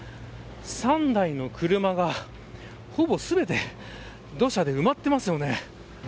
３台の車がほぼ全て土砂で埋まっていますね。